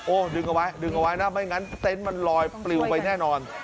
โอ้ดึงเอาไว้นะไม่อย่างนั้นเต็นต์มันลอยปลิวไปแน่นอน